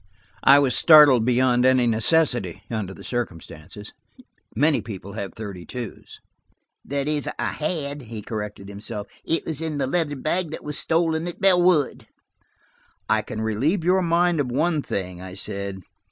I was startled beyond any necessity, under the circumstances. Many people have thirty twos. "That is, I had," he corrected himself. "It was in the leather bag that was stolen at Bellwood." "I can relieve your mind of one thing," I said.